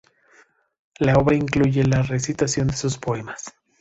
La obra incluye la recitación de sus poemas.